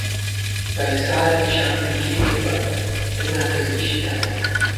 پَئیسا ݪی شامل کېئیکےپت، دُورتئ اِشی تھنَئیک